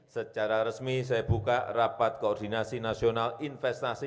secara resmi saya buka rapat koordinasi nasional investasi